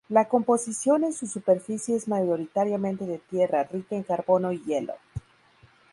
La composición en su superficie es mayoritariamente de tierra rica en carbono y hielo.